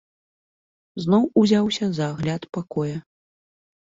Зноў узяўся за агляд пакоя.